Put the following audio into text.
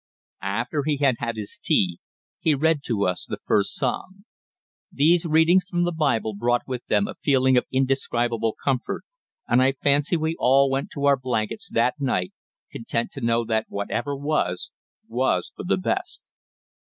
After he had had his tea, he read to us the First Psalm. These readings from the Bible brought with them a feeling of indescribable comfort, and I fancy we all went to our blankets that night content to know that whatever was, was for the best.